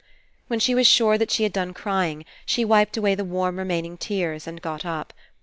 When she was sure that she had done crying, she wiped away the warm remaining tears and got up.